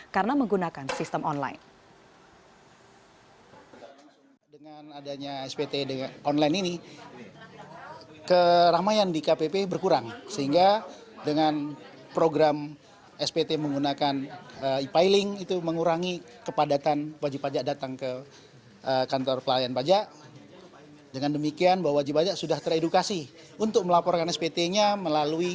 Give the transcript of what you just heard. karena menggunakan sistem online